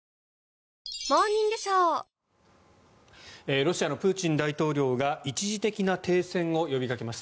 ロシアのプーチン大統領が一時的な停戦を呼びかけました。